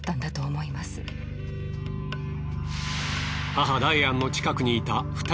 母ダイアンの近くにいた２人の男性。